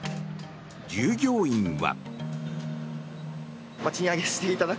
従業員は。